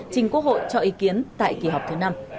trình quốc hội cho ý kiến tại kỳ họp thứ năm